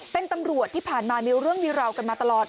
เป็นตำรวจที่ผ่านมามีเรื่องมีราวกันมาตลอด